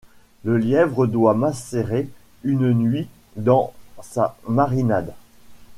Le lièvre doit macérer une nuit dans sa marinade.